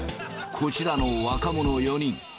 こちらの若者４人。